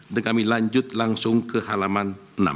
dan kami lanjut langsung ke halaman enam